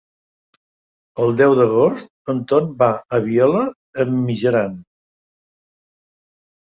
El deu d'agost en Ton va a Vielha e Mijaran.